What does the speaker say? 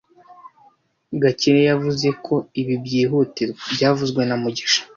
Gakire yavuze ko ibi byihutirwa byavuzwe na mugisha